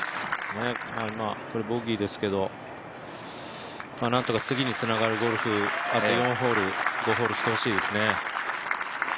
今、ボギーですけど何とか次につながるゴルフ、あと４ホール、５ホールしてほしいですね。